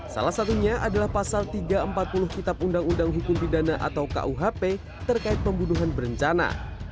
salah satunya adalah pasal tiga ratus empat puluh kitab undang undang hukum pidana atau kuhp terkait pembunuhan berencana